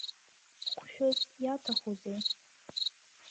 Хәшәыс иаҭахузеи?